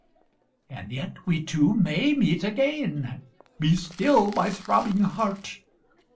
And yet we two may meet again, (Be still, my throbbing heart!)